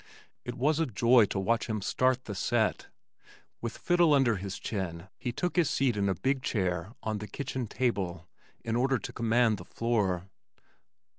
It was a joy to watch him "start the set." With fiddle under his chin he took his seat in a big chair on the kitchen table in order to command the floor.